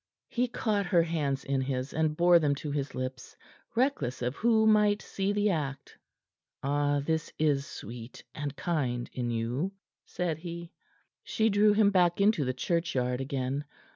He caught her hands in his and bore them to his lips, reckless of who might see the act. "Ah, this is sweet and kind in you," said he. She drew him back into the churchyard again.